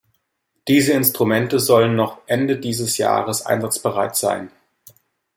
Diese Instrumente sollen noch Ende dieses Jahres einsatzbereit sein.